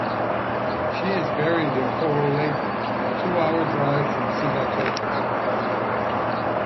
She is buried in Korolevu, a two-hour drive from Sigatoka.